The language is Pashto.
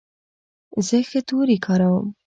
زه ښه توري کاروم.